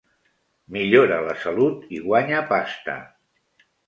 Millora la salut i guanya pasta.